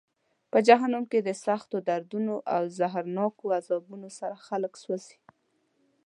په جهنم کې د سختو دردونو او زهرناکو عذابونو سره خلک سوزي.